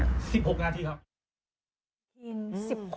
๑๖นาทีครับ